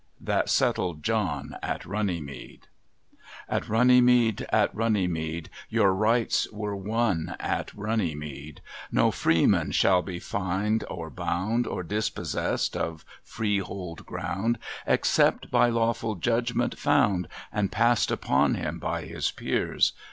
That settled John at Runnymede. "At Runnymede, at Runnymede, Your rights were won at Runnymede! No freeman shall be fined or bound, Or dispossessed of freehold ground, Except by lawful judgment found And passed upon him by his peers!